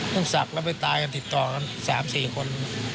ต้องศักดิ์แล้วไปตายกันติดต่อกัน๓๔คน